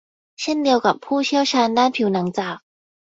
เช่นเดียวกับผู้เชี่ยวชาญด้านผิวหนังจาก